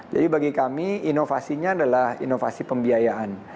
jadi bagi kami inovasinya adalah inovasi pembiayaan